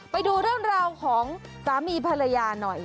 ไปดูเรื่องราวของสามีภรรยาหน่อย